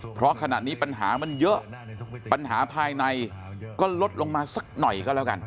เพราะขณะนี้ปัญหามันเยอะปัญหาภายในก็ลดลงมาสักหน่อยก็แล้วกัน